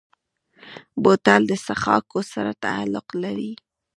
بوتل د څښاکو سره تعلق لري.